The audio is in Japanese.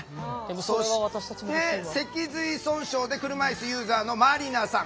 そして脊髄損傷で車いすユーザーまりなさん。